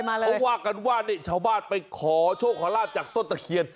เขาว่ากันว่าเนี่ยเช้าบ้านไปขอโชคลาดจากต้นตะเขียน